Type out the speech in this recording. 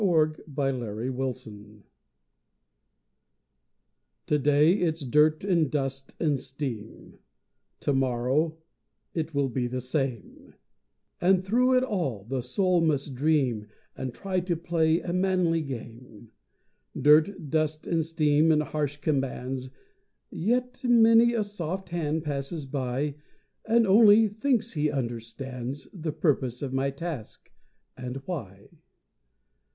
THE WORKMAN'S DREAM To day it's dirt and dust and steam, To morrow it will be the same, And through it all the soul must dream And try to play a manly game; Dirt, dust and steam and harsh commands, Yet many a soft hand passes by And only thinks he understands The purpose of my task and why.